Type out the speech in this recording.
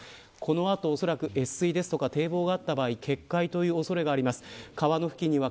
この後、おそらく越水とか堤防があった場合決壊の恐れがあります。